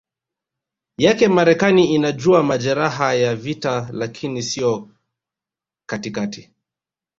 yake Marekani inajua majeraha ya vita lakini sio katikati